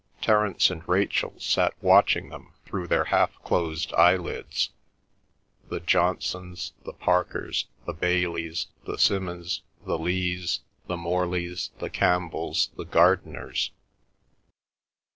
Terence and Rachel sat watching them through their half closed eyelids—the Johnsons, the Parkers, the Baileys, the Simmons', the Lees, the Morleys, the Campbells, the Gardiners.